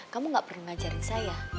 kamu gak pernah ngajarin saya